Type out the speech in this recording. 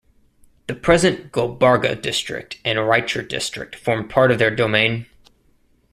The present Gulbarga District and Raichur District formed part of their domain.